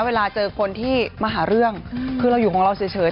เวลาเจอคนที่มาหาเรื่องคือเราอยู่ของเราเฉย